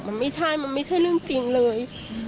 มันไม่ใช่มันไม่ใช่เรื่องจริงเลย